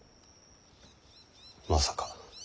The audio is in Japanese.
まさか。